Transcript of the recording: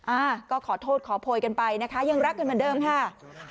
อ่าก็ขอโทษขอโพยกันไปนะคะยังรักกันเหมือนเดิมค่ะ